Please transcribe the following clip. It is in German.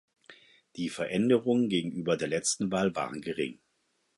Die Veränderungen gegenüber der letzten Wahl waren gering.